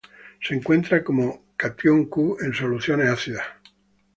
Se encuentra como catión Cu en soluciones ácidas.